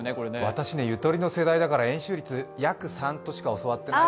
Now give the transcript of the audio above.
私ね、ゆとりの世代だから円周率、約３としか教わってない。